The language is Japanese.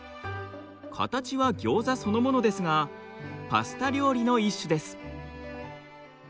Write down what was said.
形はギョーザそのものですがパスタ料理の一種です。